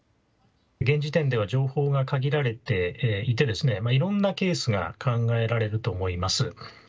現時点では情報が限られていていろいろなケースが考えられると思います。